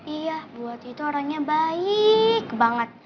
iya ibu wati tuh orangnya baik banget